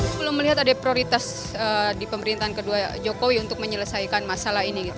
saya belum melihat ada prioritas di pemerintahan kedua jokowi untuk menyelesaikan masalah ini